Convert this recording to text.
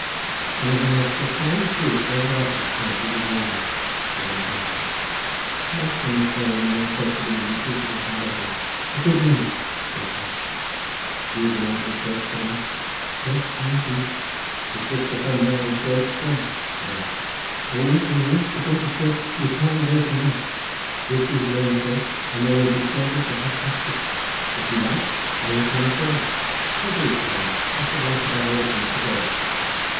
"One of the most profound truths ever uttered connected with language," said I to myself. I asked him if there were many Church of England people in Llandovery. "A good many," he replied. "Do you belong to the Church?" said I. "Yes, I do." "If this were Sunday I would go to church," said I. "O, if you wish to go to church you can go to night. This is Wednesday, and there will be service at half past six. If you like I will come for you." "Pray do," said I; "I should like above all things to go."